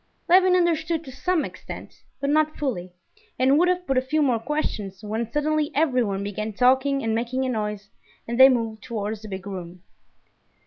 Levin understood to some extent, but not fully, and would have put a few more questions, when suddenly everyone began talking and making a noise and they moved towards the big room.